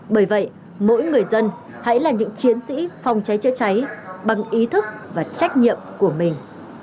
bởi vậy mỗi người dân hãy là những chiến sĩ phòng cháy chữa cháy bằng ý thức và trách nhiệm của mình